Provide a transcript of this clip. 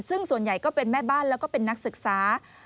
ซึ่งส่วนใหญ่ก็เป็นแม่บ้านแล้วก็เป็นนักศึกษา